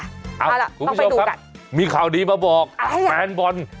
เอาล่ะต้องไปดูกันคุณผู้ชมครับมีข่าวนี้มาบอกแฟนบอล